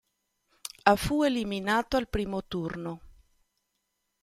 A fu eliminato al primo turno.